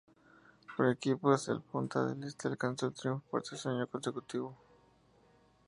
Por equipos, el Punta del Este alcanzó el triunfo por tercer año consecutivo.